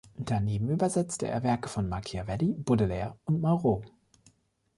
Daneben übersetzte er Werke von Machiavelli, Baudelaire und Malraux.